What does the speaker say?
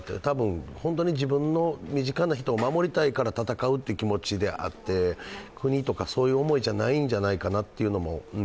多分、自分の身近な人を守りたいから戦うという気持ちであって、国とかそういう思いじゃないんじゃないかという。